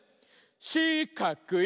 しかくい！